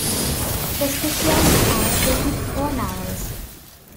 Costikyan has written four novels.